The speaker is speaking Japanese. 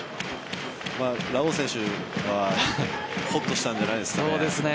ラオウ選手はホッとしたんじゃないですかね。